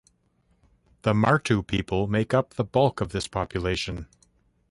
The Martu people make up the bulk of this population.